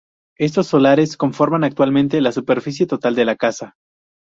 Estos solares conforman actualmente la superficie total de la casa.